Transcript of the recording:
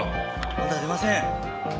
まだ出ません。